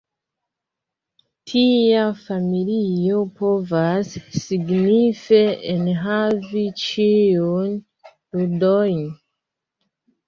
Tia familio povas signife enhavi ĉiujn judojn.